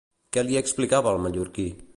Què li explicava al mallorquí?